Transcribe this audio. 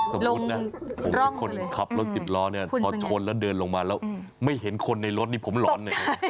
สมมุตินะผมเป็นคนขับรถสิบล้อเนี่ยพอชนแล้วเดินลงมาแล้วไม่เห็นคนในรถนี่ผมหลอนเลย